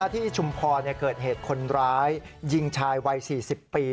ชุมพรเกิดเหตุคนร้ายยิงชายวัย๔๐ปี